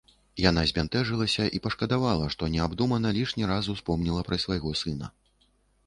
Яна збянтэжылася і пашкадавала, што неабдумана лішні раз успомніла пра свайго сына.